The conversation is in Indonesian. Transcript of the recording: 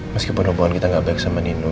meskipun hubungan kita gak baik sama nino